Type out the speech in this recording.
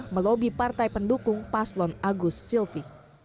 melobi partai pendukung paslon agus silvi